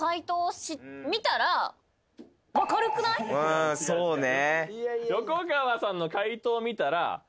うんそうね。